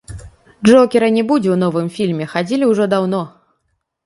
Джокера не будзе ў новым фільме хадзілі ўжо даўно.